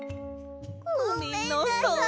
ごめんなさい。